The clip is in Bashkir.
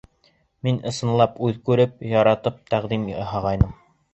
— Мин ысынлап үҙ күреп, яратып тәҡдим яһағайным.